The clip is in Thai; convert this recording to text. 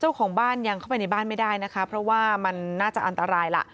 เจ้าของบ้านยังเข้าไปในบ้านไม่ได้นะคะเพราะว่ามันน่าจะอันตรายล่ะ